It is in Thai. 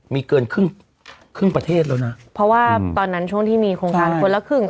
มีเกินครึ่งครึ่งประเทศแล้วนะเพราะว่าตอนนั้นช่วงที่มีโครงการคนละครึ่ง